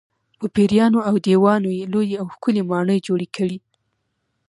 په پېریانو او دیوانو یې لویې او ښکلې ماڼۍ جوړې کړې.